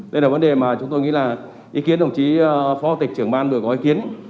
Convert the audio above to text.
đây là vấn đề mà chúng tôi nghĩ là ý kiến đồng chí phó tịch trưởng ban vừa có ý kiến